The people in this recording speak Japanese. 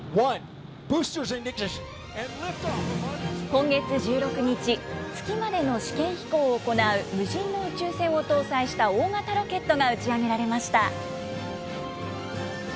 今月１６日、月までの試験飛行を行う無人の宇宙船を搭載した大型ロケットが打ち上げられました。